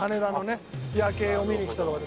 夜景を見に来た。